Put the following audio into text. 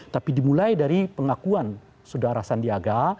tapi dimulai dari pengakuan saudara sandiaga